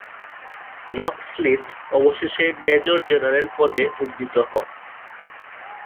Knox-Little অবশেষে major general পদে উন্নীত হন।